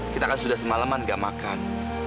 kita kan sudah semalaman gak makan